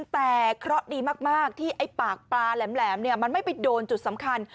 แต่เคราะห์ดีมากที่ไอ้ปากปลาแหลมมันไม่ไปโดนจุดสำคัญ